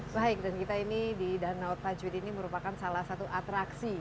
baik dan kita ini di danau tajwid ini merupakan salah satu atraksi